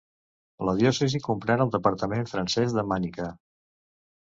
La diòcesi comprèn el departament francès de Manica.